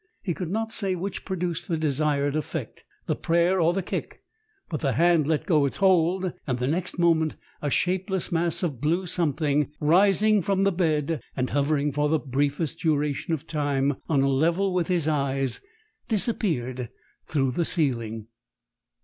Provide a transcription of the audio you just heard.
He could not say which produced the desired effect the prayer or the kick but the hand let go its hold, and the next moment a shapeless mass of blue something rising from the bed, and hovering for the briefest duration of time on a level with his eyes, disappeared through the ceiling.